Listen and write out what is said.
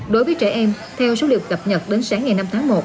đối với trẻ em theo số liệu cập nhật đến sáng ngày năm tháng một